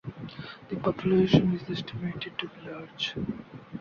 The population is estimated to be large.